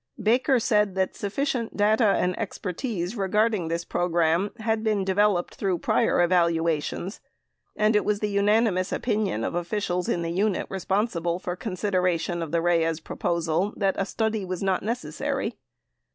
Baker said that suffi cient data and expertise regarding this program had been developed through prior evaluations and it was the unanimous opinion of officials in the unit responsible for consideration of the Reyes proposal that a study was not necessary.